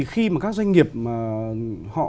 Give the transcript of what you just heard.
khi mà các doanh nghiệp họ